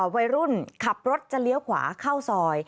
วัยรุ่นขับรถจะเลี้ยวขวาเข้าซอย